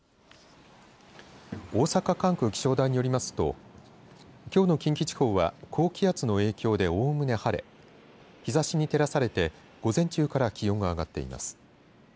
大阪管区気象台によりますときょうの近畿地方は高気圧の影響でおおむね晴れ日ざしに照らされて午前中から気温が上がっています。